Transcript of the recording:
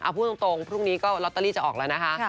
พูดตรงพรุ่งนี้ก็ลอตเตอรี่จะออกแล้วนะคะ